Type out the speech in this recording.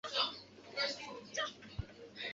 许多市民也到这里来野炊烧烤。